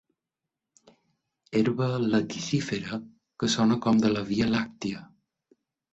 Herba laticífera que sona com de la via làctia.